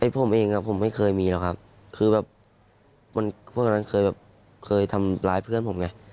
ผมเองผมไม่เคยมีหรอกครับคือแบบพวกนั้นเคยแบบเคยทำร้ายเพื่อนผมไง